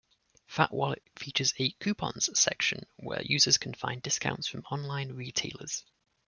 FatWallet features a "Coupons" section where users can find discounts from online retailers.